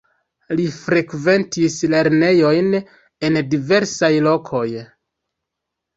Li frekventis lernejojn en diversaj lokoj.